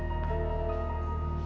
tentang apa yang terjadi